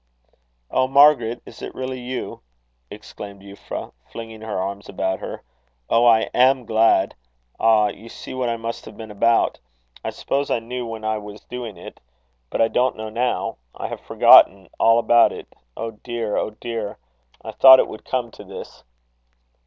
"Oh, Margaret! is it really you?" exclaimed Euphra, flinging her arms about her. "Oh, I am glad. Ah! you see what I must have been about. I suppose I knew when I was doing it, but I don't know now. I have forgotten all about it. Oh dear! oh dear! I thought it would come to this."